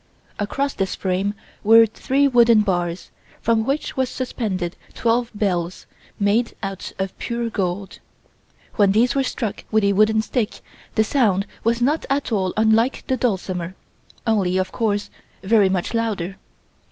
Across this frame were three wooden bars, from which was suspended twelve bells, made out of pure gold. When these were struck with a wooden stick the sound was not at all unlike the dulcimer, only, of course, very much louder.